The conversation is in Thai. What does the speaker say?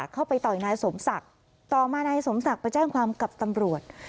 ต่อยนายสมศักดิ์ต่อมานายสมศักดิ์ไปแจ้งความกับตำรวจ